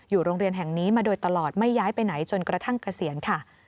โรงเรียนแห่งนี้มาโดยตลอดไม่ย้ายไปไหนจนกระทั่งเกษียณค่ะ